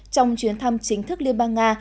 trong chuyến thăm chính thức liên bang nga